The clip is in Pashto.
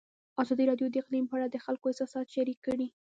ازادي راډیو د اقلیم په اړه د خلکو احساسات شریک کړي.